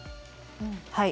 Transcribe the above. はい。